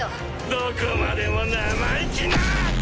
どこまでも生意気な！